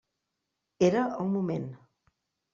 Era el moment.